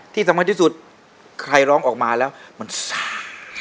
ที่สำคัญที่สุดใครร้องออกมาแล้วมันซ่า